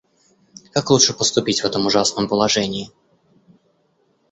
Как лучше поступить в этом ужасном положении?